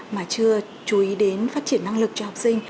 mà chưa chú ý đến phát triển năng lực cho học sinh